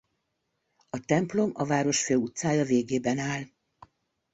A templom a város főutcája végében áll.